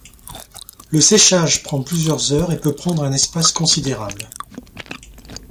Le séchage prend plusieurs heures et peut prendre un espace considérable.